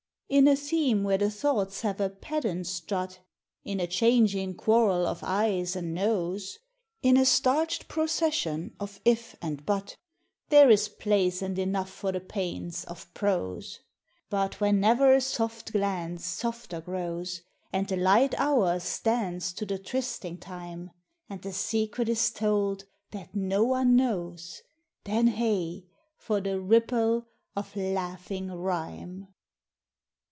In a theme where the thoughts have a pedant strut, In a changing quarrel of " Ayes " and " Noes," THOUGHT: POETRY: HOOKS. Ill In a starched procession of " If " and But,"— There is place and enough for the pains of pro But whenever a soft glance softer grows And the light hours dance to the trysting time, And the secret is told " that no one knows,"— Then hey ! for the ripple of laughing rhyme